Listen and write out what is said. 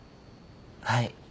はい。